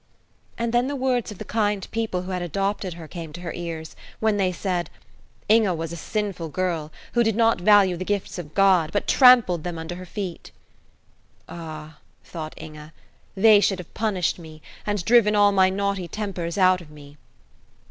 And then the words of the kind people who had adopted her came to her ears, when they said, "Inge was a sinful girl, who did not value the gifts of God, but trampled them under her feet." "Ah," thought Inge, "they should have punished me, and driven all my naughty tempers out of me."